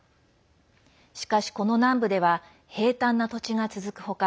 しかし、この南部では平たんな土地が続く他